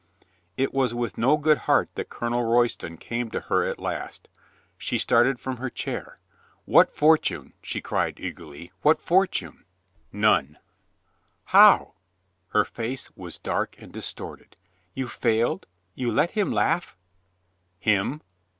It was with no good heart that Colonel Roystoh came to her at last. She started from her chaif". "What fortune?" she cried eagerly. "What for tune?" 275 276 COLONEL GREATHEART "None." "How?" Her face was dark and distorted. "You failed? You've let him laugh?" "Him?"